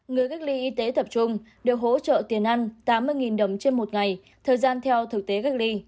người cách ly y tế tập trung được hỗ trợ tiền ăn tám mươi đồng trên một ngày thời gian theo thực tế cách ly